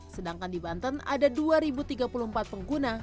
sedangkan di banten ada dua tiga puluh empat pengguna